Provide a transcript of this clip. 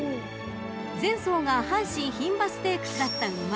［前走が阪神牝馬ステークスだった馬